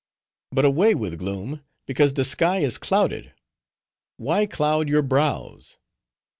"But away with gloom! because the sky is clouded, why cloud your brows?